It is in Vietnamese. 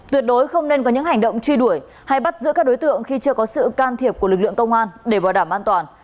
tuyệt đối không nên có những hành động truy đuổi hay bắt giữ các đối tượng khi chưa có sự can thiệp của lực lượng công an để bảo đảm an toàn